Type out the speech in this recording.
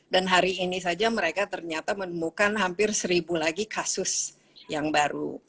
dan hari ini saja mereka ternyata menemukan hampir seribu lagi kasus yang baru